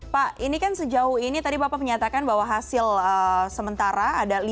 pak ini kan sejauh ini tadi bapak menyatakan bahwa hasil sementara ada lima